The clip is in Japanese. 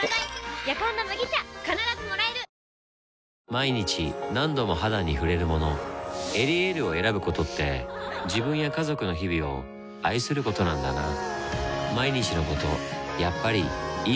毎日何度も肌に触れるもの「エリエール」を選ぶことって自分や家族の日々を愛することなんだなぁ